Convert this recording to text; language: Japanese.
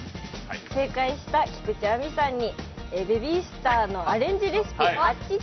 正解した菊地亜美さんにベビースターのアレンジレシピあっちっ